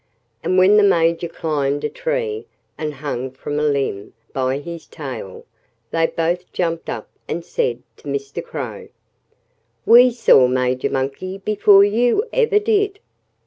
And when the Major climbed a tree and hung from a limb by his tail they both jumped up and said to Mr. Crow: "We saw Major Monkey before you ever did!"